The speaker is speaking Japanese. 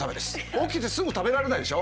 起きてすぐ食べられないでしょ。